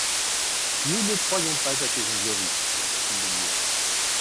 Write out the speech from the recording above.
Nous ne croyons pas à tes jongleries, se hâta-t-il de dire.